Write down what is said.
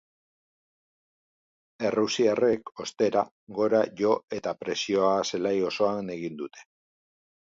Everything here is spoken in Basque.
Errusiarrek, ostera, gora jo eta presioa zelai osoan egin dute.